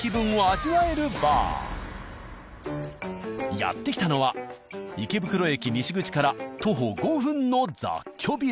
やって来たのは池袋駅西口から徒歩５分の雑居ビル。